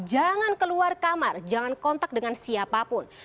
jangan keluar kamar jangan kontak dengan siapapun